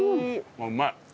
うまい。